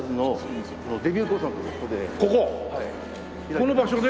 この場所で？